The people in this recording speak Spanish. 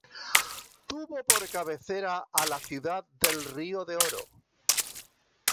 Tuvo por cabecera a la ciudad de Río de Oro.